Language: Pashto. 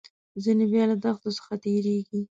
ځینې بیا له دښتو څخه تیریږي.